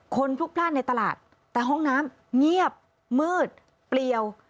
พลุกพลาดในตลาดแต่ห้องน้ำเงียบมืดเปลี่ยว